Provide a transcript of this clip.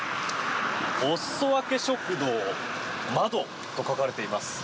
おすそわけ食堂まどと書かれています。